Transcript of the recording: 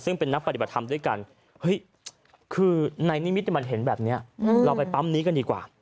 ซึ่งเป็นนักปฏิบัติธรรมด้วยกันเฮ้ยคือในนิมิตมันเห็นแบบนี้เราไปปั๊มนี้กันดีกว่า